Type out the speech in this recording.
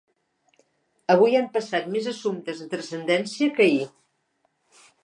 Avui han passat més assumptes de transcendència que ahir.